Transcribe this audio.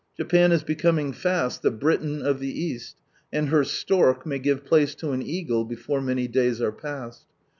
Japan is becoming fast "the Britain of the East," and her Stork may give place lo an Eagle before many days are past.